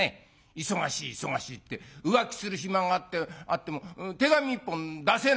忙しい忙しいって浮気する暇があっても手紙一本出せないの」。